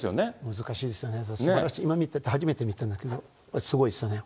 難しいですよね、すばらしい、今見てて、初めて見たんだけど、すごいですよね。